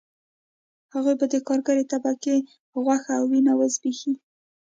هغوی به د کارګرې طبقې غوښه او وینه وزبېښي